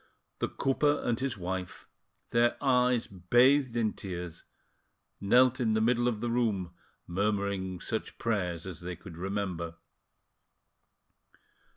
The cooper and his wife, their eyes bathed in tears, knelt in the middle of the room, murmuring such prayers as they could remember.